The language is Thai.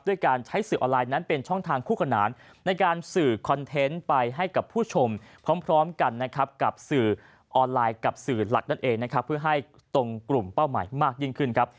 ด้วยการใช้สื่อออนไลน์นั้นเป็นช่องทางคู่ขนานในการสื่อคอนเทนต์ไปให้กับผู้ชมพร้อมกันนะครับกับสื่อออนไลน์กับสื่อหลักนั่นเองนะครับเพื่อให้ตรงกลุ่มเป้าหมายมากยิ่งขึ้นครับ